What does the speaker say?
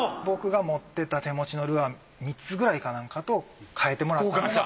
僕が持ってた手持ちのルアー３つくらいかなんかと換えてもらった。